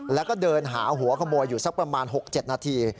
แล้วก็เดินหาหัวขโมยอยู่สักประมาณ๖๗นาที